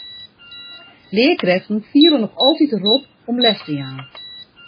Learkrêften fiele noch altyd de rop om les te jaan.